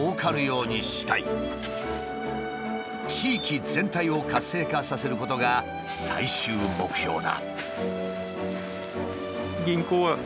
地域全体を活性化させることが最終目標だ。